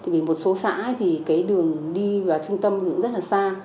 vì một số xã thì cái đường đi vào trung tâm cũng rất là xa